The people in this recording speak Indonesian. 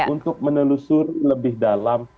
untuk menelusuri lebih dalam